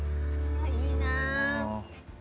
いいな。